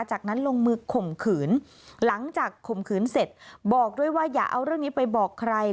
จากนั้นลงมือข่มขืนหลังจากข่มขืนเสร็จบอกด้วยว่าอย่าเอาเรื่องนี้ไปบอกใคร